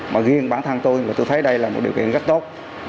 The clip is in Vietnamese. mà riêng bản thân tôi và tôi thấy đây là một điều kiện rất tốt